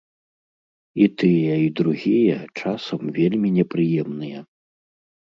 І тыя, і другія, часам, вельмі непрыемныя.